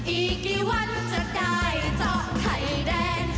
อีกกี่วันจะได้เจาะไข่แดง